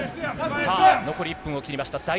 さあ、残り１分を切りました。